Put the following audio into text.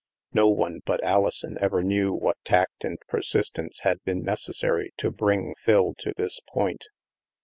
No one but Alison ever knew what tact and persistence had been necessary to bring Phil to this point.